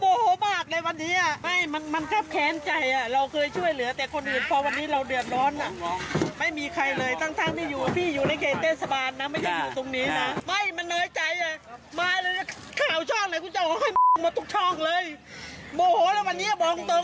โบโหแล้ววันนี้บอกคุณตรง